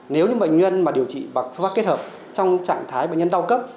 nếu những bệnh nhân mà điều trị bằng phương pháp kết hợp trong trạng thái bệnh nhân đau cấp